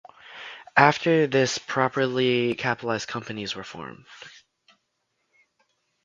After this properly capitalised companies were formed.